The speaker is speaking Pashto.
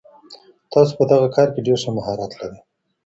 تاسو په دغه کار کي ډېر ښه مهارت لرئ.